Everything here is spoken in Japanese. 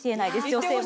女性も。